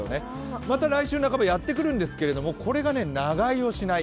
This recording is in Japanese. また来週半ばやってくるんですけど、これが長居しない。